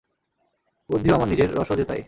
বুদ্ধিও আমার নিজের, রসও যে তাই।